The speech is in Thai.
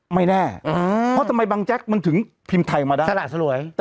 ไม่แน่เพราะทำไมบางแจ๊กมันถึงพิมพ์ไทยมาได้สละสลวย